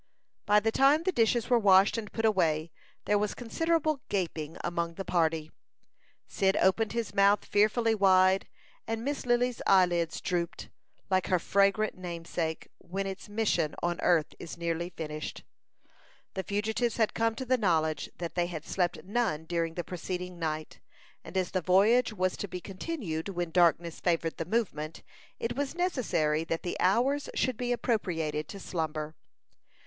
By the time the dishes were washed and put away, there was considerable gaping among the party. Cyd opened his mouth fearfully wide, and Miss Lily's eyelids drooped, like her fragrant namesake, when its mission on earth is nearly finished. The fugitives had come to the knowledge that they had slept none during the preceding night, and as the voyage was to be continued when darkness favored the movement, it was necessary that the hours should be appropriated to slumber.